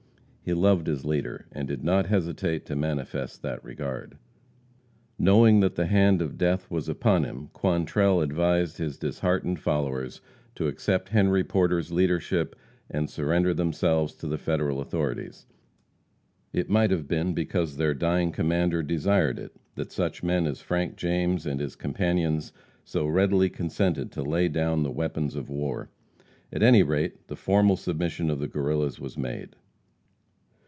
He loved his leader, and did not hesitate to manifest that regard. Knowing that the hand of death was upon him, Quantrell advised his disheartened followers to accept Henry Porter's leadership and surrender themselves to the Federal authorities. It might have been because their dying commander desired it, that such men as Frank James and his companions so readily consented to lay down the weapons of war. At any rate, the formal submission of the Guerrillas was made.